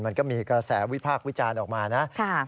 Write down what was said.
มันก็มีกระแสวิพากษ์วิจารณ์ออกมานะ